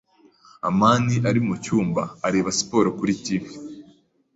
amani ari mucyumba, areba siporo kuri TV.